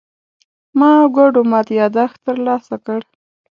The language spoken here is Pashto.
ما ګوډو مات يادښت ترلاسه کړ.